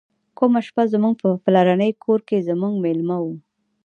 کومه شپه زموږ په پلرني کور کې زموږ میلمه و.